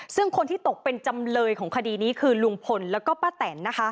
ซึ่งคนที่ตกเป็นจำเลยของคดีนี้คือลุงพลแล้วก็ป้าแตนนะคะ